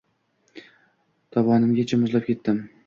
Tovonimgacha muzlab ketdim.